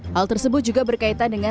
hal tersebut juga berkaitan dengan